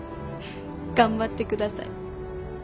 頑張ってください。